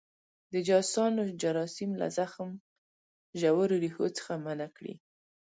د جاسوسانو جراثیم له زخم ژورو ریښو څخه منع کړي.